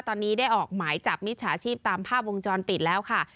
ตอนนี้ได้ออกหมายจับมิจฉาชีพตามภาพวงจรปิดแล้วค่ะ